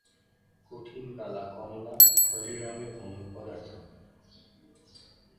কঠিন গালা কমলা/খয়েরী রঙের ভঙ্গুর পদার্থ।